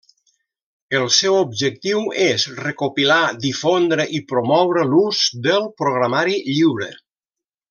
El seu objectiu és recopilar, difondre i promoure l'ús del programari lliure.